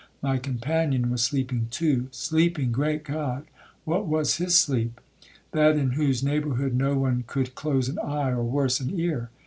My companion was sleeping too. Sleeping! great God! what was his sleep?—that in whose neighbourhood no one could close an eye, or, worse, an ear.